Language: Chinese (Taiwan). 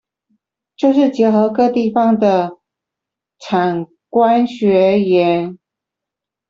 就是結合各地方的產官學研